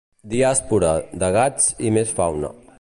"diàspora" de gats i més fauna.